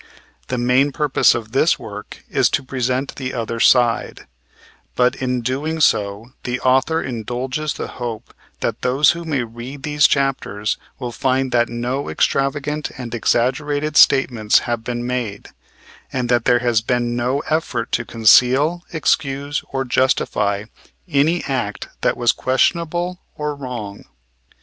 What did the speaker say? The main purpose of this work is to present the other side; but, in doing so, the author indulges the hope that those who may read these chapters will find that no extravagant and exaggerated statements have been made, and that there has been no effort to conceal, excuse, or justify any act that was questionable or wrong.